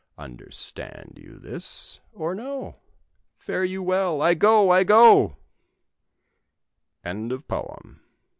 'Understand you this, or no? Fare you well! I go I go!'" THE KINGDOM.